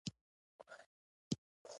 مشکلات به ورته پېښ کړي.